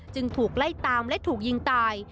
ถูกไล่ตามและถูกยิงตาย